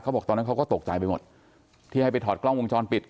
บอกตอนนั้นเขาก็ตกใจไปหมดที่ให้ไปถอดกล้องวงจรปิด